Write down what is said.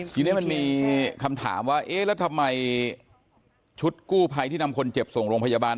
ทีนี้มันมีคำถามว่าเอ๊ะแล้วทำไมชุดกู้ภัยที่นำคนเจ็บส่งโรงพยาบาล